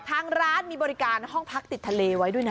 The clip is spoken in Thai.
ทางร้านมีบริการห้องพักติดทะเลไว้ด้วยนะ